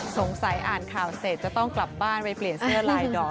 อ่านข่าวเสร็จจะต้องกลับบ้านไปเปลี่ยนเสื้อลายดอก